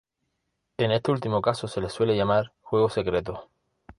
En este último caso se les suele llamar "juegos secretos".